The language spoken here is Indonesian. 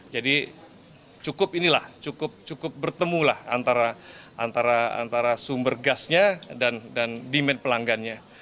jadi cukup ini lah cukup bertemu lah antara sumber gasnya dan demand pelanggannya